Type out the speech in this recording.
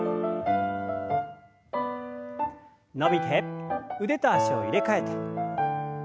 伸びて腕と脚を入れ替えて。